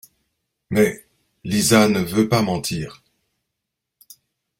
Mais Lisa ne veut pas mentir.